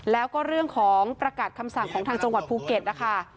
แล้วก็เรื่องของประกาศคำสั่งของทางจังหวัดภูเก็ตนะคะ